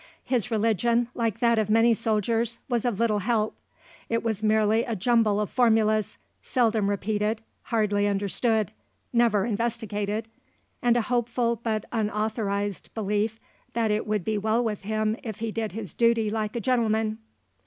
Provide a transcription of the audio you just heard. His religion, like that of many soldiers, was of little help; it was merely a jumble of formulas, seldom repeated, hardly understood, never investigated, and a hopeful, but unauthorised, belief that it would be well with him if he did his duty like a gentleman.